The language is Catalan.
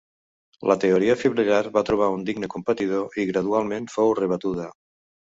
La teoria fibril·lar va trobar un digne competidor i gradualment fou rebatuda.